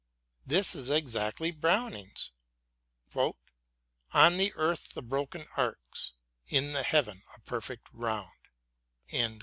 This is exactly Browning's On the earth the broken arcs ; in the_ heaven, a perfect round.